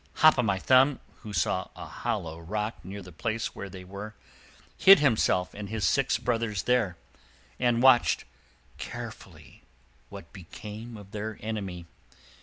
Hop o' My Thumb, who saw a hollow rock near the place where they were, hid himself and his six brothers there, and watched carefully what became of their enemy.